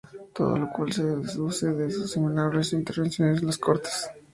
Todo lo cual se deduce de sus innumerables intervenciones en las Cortes.